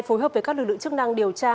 phối hợp với các lực lượng chức năng điều tra